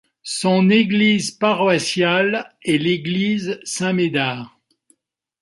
Son église paroissiale est l'église Saint-Médard.